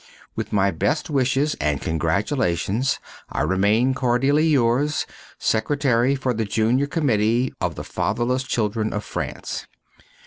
With my best wishes and congratulations, I remain cordially yours, Secretary for the Junior Committee of the Fatherless Children of France.